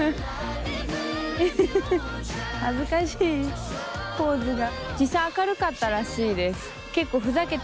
フフフ恥ずかしいポーズが。